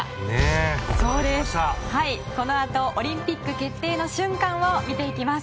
このあとオリンピック決定の瞬間を見ていきます。